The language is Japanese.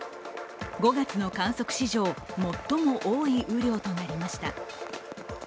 ５月の観測史上、最も多い雨量となりました。